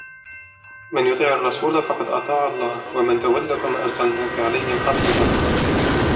مَنْ يُطِعِ الرَّسُولَ فَقَدْ أَطَاعَ اللَّهَ وَمَنْ تَوَلَّى فَمَا أَرْسَلْنَاكَ عَلَيْهِمْ حَفِيظًا